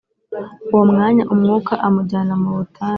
“Uwo mwanya Umwuka amujyana mu butayu